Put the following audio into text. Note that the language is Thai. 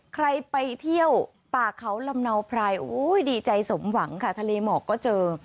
ใครไปเที่ยวป่าเขาลำเนาไพรโอ้ยดีใจสมหวังค่ะทะเลหมอกก็เจอ